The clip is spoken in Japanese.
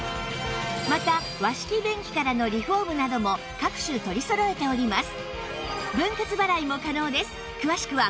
また和式便器からのリフォームなども各種取りそろえております